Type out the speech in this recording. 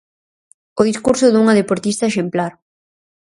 O discurso dunha deportista exemplar.